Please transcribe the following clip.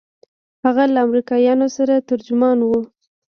هغه له امريکايانو سره ترجمان و.